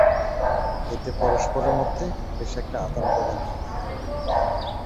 এতে পরস্পরের মধ্যে বেশ একটা আদানপ্রদান হবে।